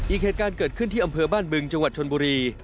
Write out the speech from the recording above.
อีกเหตุการณ์เกิดขึ้นที่อำเภอบ้านบึงจังหวัดชนบุรี